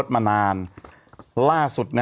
มานานล่าสุด